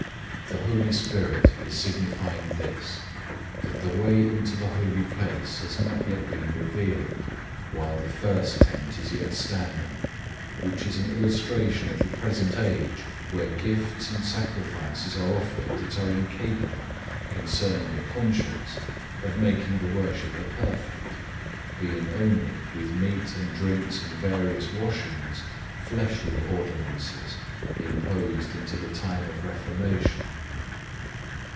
009:008 The Holy Spirit is indicating this, that the way into the Holy Place wasn't yet revealed while the first tabernacle was still standing; 009:009 which is a symbol of the present age, where gifts and sacrifices are offered that are incapable, concerning the conscience, of making the worshipper perfect; 009:010 being only (with meats and drinks and various washings) fleshly ordinances, imposed until a time of reformation.